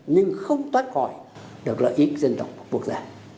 nhưng không thoát khỏi được lợi ích dân tộc và quốc gia